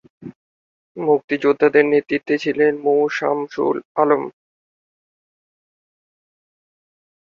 মুক্তিযোদ্ধাদের নেতৃত্বে ছিলেন মু শামসুল আলম।